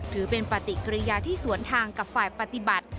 ถือเป็นปฏิกิริยาที่สวนทางกับฝ่ายปฏิบัติ